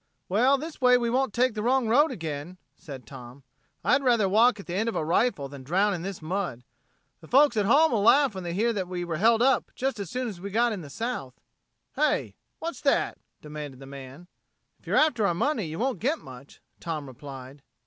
"Well, this way we won't take the wrong road again," said Tom. "I'd rather walk at the end of a rifle than drown in this mud. The folks at home'll laugh when they hear that we were held up just as soon as we got in the South." "Hey? What's that?" demanded the man. "If you're after our money you won't get much," Tom replied.